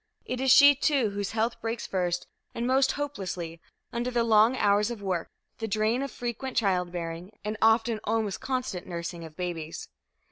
It is she, too, whose health breaks first and most hopelessly, under the long hours of work, the drain of frequent childbearing, and often almost constant nursing of babies.